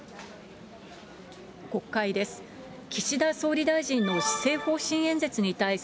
国会です。